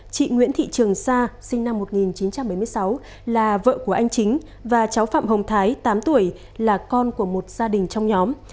chị nguyễn thị trường sa sinh năm một nghìn chín trăm bảy mươi sáu là vợ của anh chính và cháu phạm hồng thái tám tuổi là con của một gia đình trong nhóm